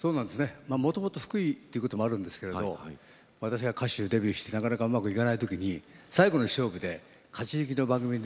もともと福井ということもあるんですけれど私が歌手デビューしてなかなかうまくいかない時に最後の勝負で勝ち抜きの番組に出たんですね。